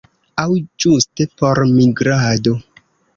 Aŭ ĝuste por migrado.